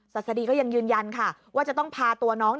ศดีก็ยังยืนยันค่ะว่าจะต้องพาตัวน้อง